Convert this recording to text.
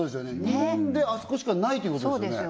日本であそこしかないということですよね？